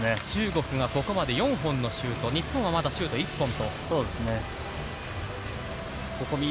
中国がここまで４本のシュート、日本はまだシュート１本と。